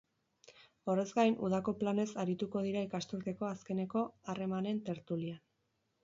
Horrez gain, udako planez arituko dira ikasturteko azkeneko harremanen tertulian.